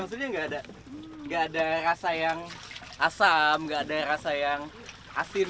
maksudnya nggak ada rasa yang asam nggak ada rasa yang asin